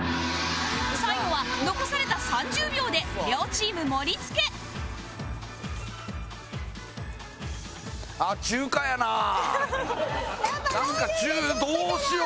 最後は残された３０秒で両チーム盛り付けなんかどうしよう？